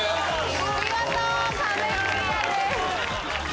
見事壁クリアです。